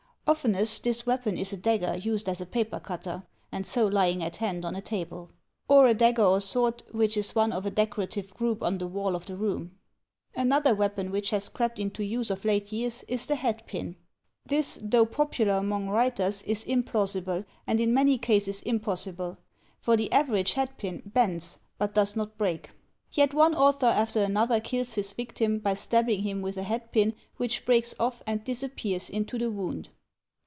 Oftenest this weapon is a dagger used as a paper cutter, and so lying at hand on a table. Or a dagger or sword which is one of a decorative group on the wall of the room. Another weapon which has crept into use of late years is the hatpin. This, though popular among yniters, is implausible and in many cases impossible; for the average hatpin bends but does not break. Yet one author after another kills his victim by stabbing him with a hatpin which breaks off and disappears in the wound.